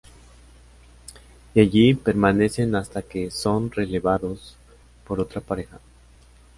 Y allí permanecen hasta que son relevados por otra pareja.